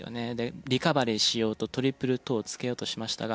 リカバリーしようとトリプルトーをつけようとしましたが。